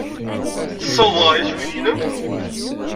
Tessawḍed ɣer yiswiyen-nnem?